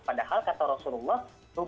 padahal kata rasulullah